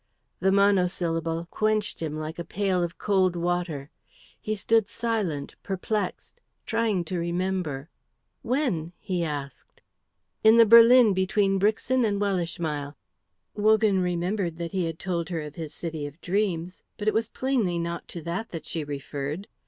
The monosyllable quenched him like a pail of cold water. He stood silent, perplexed, trying to remember. "When?" he asked. "In the berlin between Brixen and Wellishmile." Wogan remembered that he had told her of his city of dreams. But it was plainly not to that that she referred.